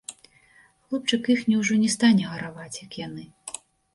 Хлопчык іхні ўжо не стане гараваць, як яны.